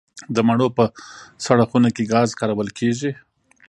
د مڼو په سړه خونه کې ګاز کارول کیږي؟